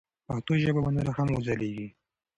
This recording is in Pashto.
پښتو ژبه به نوره هم وځلیږي.